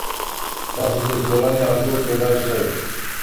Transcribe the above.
تاسو د ټولنې الګو کیدی سئ.